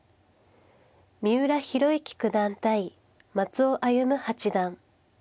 三浦弘行九段対松尾歩八段。